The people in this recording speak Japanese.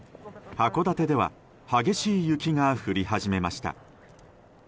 函館では激しい雪が降り始めました。